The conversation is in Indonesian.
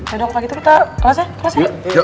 yaudah kalau gitu kita kelas ya